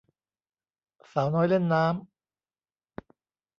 สาวน้อยเล่นน้ำ